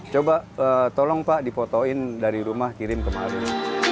coba tolong pak dipotoin dari rumah kirim kemarin